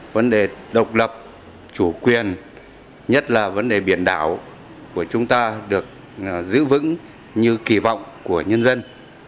vấn đề độc lập chủ quyền nhất là vấn đề biển đảo của chúng ta được giữ vững như kỳ vọng của nhân dân